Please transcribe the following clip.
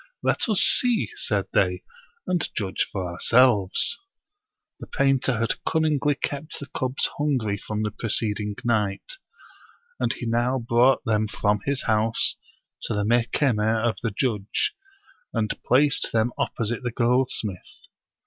" Let us see," said they, " and judge for ourselves." The painter had cunningly kept the cubs hungry from the preceding night; and he now brought them from his house to the Mehkemeh of the judge, and placed them opposite the goldsmith.